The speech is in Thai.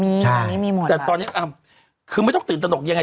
มีตอนนี้มีหมดแต่ตอนนี้คือไม่ต้องตื่นตนกยังไง